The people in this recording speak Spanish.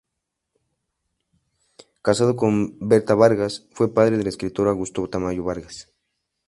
Casado con Berta Vargas, fue padre del escritor Augusto Tamayo Vargas.